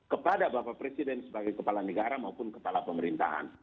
kepada bapak presiden sebagai kepala negara maupun kepala pemerintahan